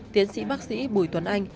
tiến sĩ bác sĩ bùi tuấn anh